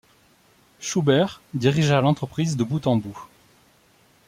Schubert dirigea l'entreprise de bout en bout.